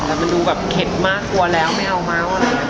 แล้วมันดูแบบเข็ดมากกว่าแล้วไม่เอามากอะไรนะ